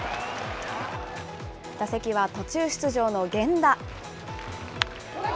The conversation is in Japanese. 打席は途中出場の源田。